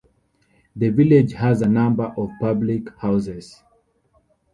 The village has a number of public houses.